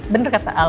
bener kata al